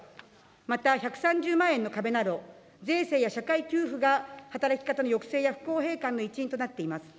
また、１３０万円の壁など、税制や社会給付など働き方の抑制や不公平感の一因となっています。